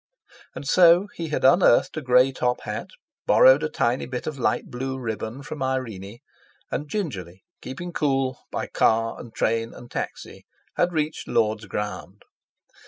And so, he had unearthed a grey top hat, borrowed a tiny bit of light blue ribbon from Irene, and gingerly, keeping cool, by car and train and taxi, had reached Lord's Ground.